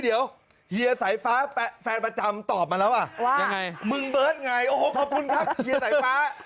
เดี๋ยวเฮียสายฟ้าแฟนประจำตอบมาแล้วอ่ะว่ายังไงมึงเบิร์ตไงโอ้โหขอบคุณครับเฮียสายฟ้า